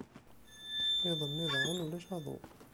Iḍ-nni daɣen ulac aḍu.